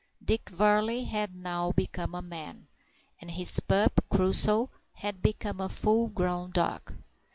Dick Varley had now become a man, and his pup Crusoe had become a full grown dog.